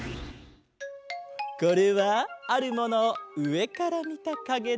これはあるものをうえからみたかげだ。